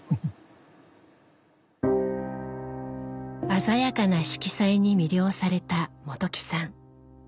鮮やかな色彩に魅了された本木さん。